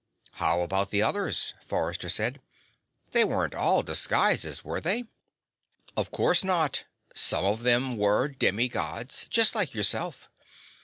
"How about the others?" Forrester said. "They weren't all disguises, were they?" "Of course not. Some of them were demi Gods, just like yourself.